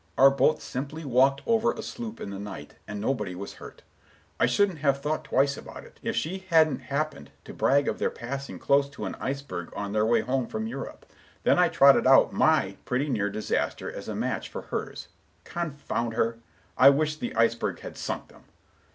Our boat simply walked over a sloop in the night, and nobody was hurt. I shouldn't have thought twice about it, if she hadn't happened to brag of their passing close to an iceberg on their way home from Europe; then I trotted out my pretty near disaster as a match for hers,—confound her! I wish the iceberg had sunk them!